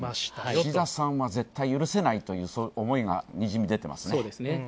岸田さんは絶対許せないという思いがにじみ出てますね。